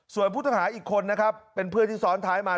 ส่วนผู้ตัดหาอีกคนเป็นเพื่อนที่ซ้อนท้ายมา